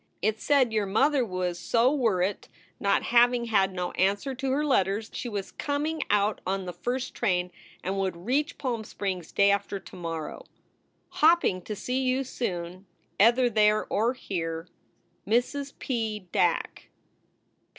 It said your mother was so worrit not having had no anser to her letters she was comeing out on the first train and would reache Palm Springs day after tomorow. Hopping to see you soon ether there or here, MRS. P. DACK.